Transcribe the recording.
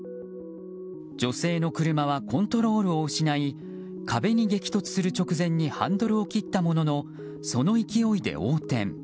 女性の車はコントロールを失い壁に激突する直前にハンドルを切ったもののその勢いで横転。